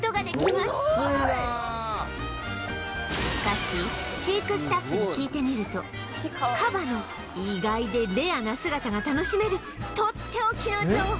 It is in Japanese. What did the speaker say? しかし飼育スタッフに聞いてみるとカバの意外でレアな姿が楽しめるとっておきの情報が！